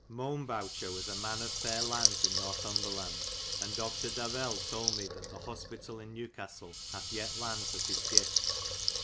Mounbowcher was a man of fair landes in Northumbre lande : and Doctor Davelle f told me that the hospitale yn Newcastel hath yet landes of his gifte.